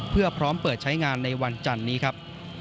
เพื่อพร้อมเปิดใช้งานในวันจันนี้ครับ